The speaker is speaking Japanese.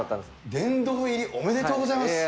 殿堂入り、ありがとうございます。